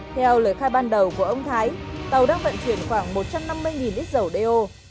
theo lời khai ban đầu của ông thái tàu đang vận chuyển khoảng một trăm năm mươi lít dầu đeo